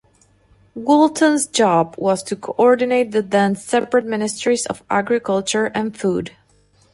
Woolton's job was to co-ordinate the then separate ministries of agriculture and food.